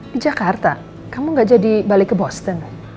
di jakarta kamu gak jadi balik ke boston